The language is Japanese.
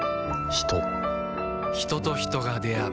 人と人が出会う